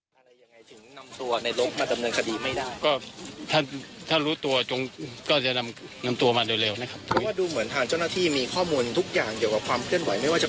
เขาก็เป็นตัวคนใกล้ชินเองก็ไม่ได้การติดต่อแปลมุดปัญหา